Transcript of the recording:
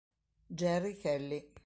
Jerry Kelly